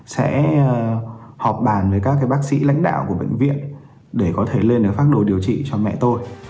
sẽ họp bàn với các bác sĩ lãnh đạo của bệnh viện để có thể lên phác đồ điều trị cho mẹ tôi